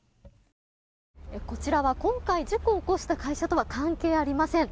こちらは今回事故を起こした会社とは関係ありません。